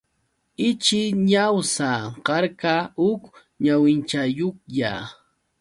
Ichi ñawsa karqa huk ñawichayuqlla.